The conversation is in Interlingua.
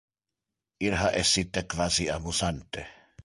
Il ha essite quasi amusante.